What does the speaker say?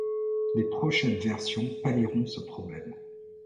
Les prochaines versions pallieront ce problème.